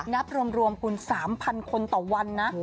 นับรวมคุณ๓๐๐คนต่อวันนะ